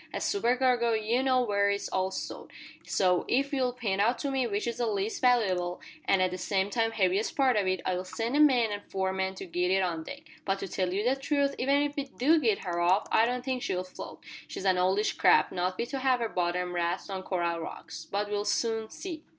As supercargo, you know where it's all stowed, so, if you'll pint out to me which is the least valooable, an' at the same time heaviest part of it, I'll send the mate and four men to git it on deck. But to tell you the truth even if we do git her off I don't think she'll float. She's an oldish craft, not fit to have her bottom rasped on coral rocks. But we'll soon see."